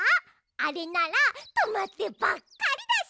あれならとまってばっかりだし。